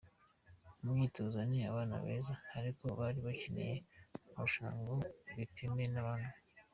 Mu myitozo ni abana beza ariko bari bakeneye amarushanwa ngo bipime n’abandi.